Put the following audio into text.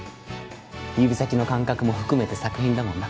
指先の感覚も含めて作品だもんな